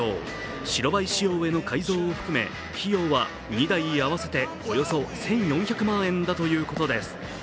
白バイ仕様への改造を含め費用は２台合わせておよそ１４００万円だということです。